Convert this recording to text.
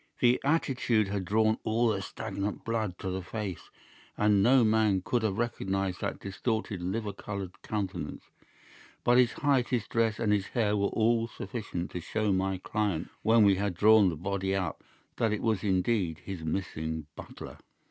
The attitude had drawn all the stagnant blood to the face, and no man could have recognised that distorted liver coloured countenance; but his height, his dress, and his hair were all sufficient to show my client, when we had drawn the body up, that it was indeed his missing butler.